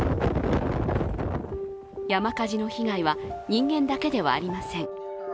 山火事の被害は人間だけではありません。